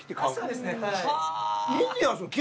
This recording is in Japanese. そうですねはい。